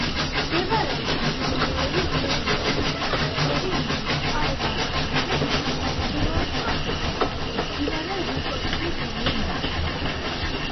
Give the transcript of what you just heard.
მდებარეობს მდინარეების ძირულისა და ჩხერიმელის წყალგამყოფი ქედის ჩრდილოეთ კალთაზე, მდინარე რიკოთულის ორივე ნაპირას.